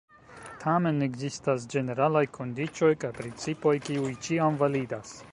Tamen ekzistas ĝeneralaj kondiĉoj kaj principoj, kiuj ĉiam validas.